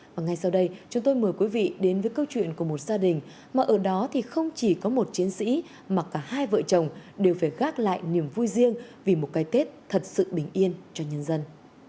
và ngay sau đây chúng tôi mời quý vị đến với câu chuyện của một gia đình mà ở đó thì không chỉ có một chiến sĩ mà cả hai vợ chồng đều phải gác lại niềm vui riêng vì một cái tết thật sự bình yên cho nhân dân